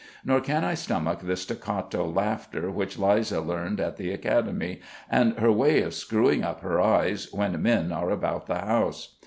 Nor can I stomach the staccato laughter which Liza learned at the Academy, and her way of screwing up her eyes, when men are about the house.